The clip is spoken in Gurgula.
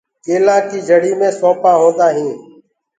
ڪيلآ ڪيٚ پآهڙي مي سونٚپآ هوندآ هينٚ۔